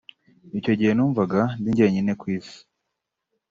icyo gihe numvaga ndi jyenyine ku isi